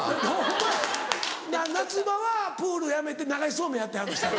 夏場はプールやめて流しそうめんやってはるんですか？